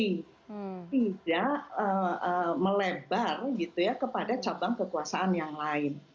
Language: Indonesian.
tidak melebar kepada cabang kekuasaan yang lain